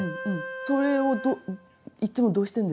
それをどういっつもどうしてるんですか？